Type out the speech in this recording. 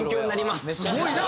すごいな！